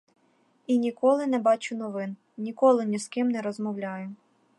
І ніколи не бачу новин, ніколи ні з ким не розмовляю.